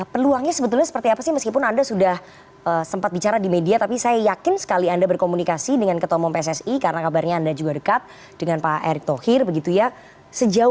peluangnya sebetulnya seperti apa sih meskipun anda sudah sempat bicara di media tapi saya yakin sekali anda berkomunikasi dengan ketua umum pssi karena kabarnya anda juga dekat dengan pak erick thohir begitu ya